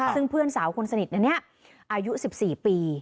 ซึ่งเพื่อนสาวคนสนิทอันนี้อายุ๑๔ปี